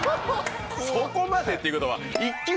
そこまでっていうことは。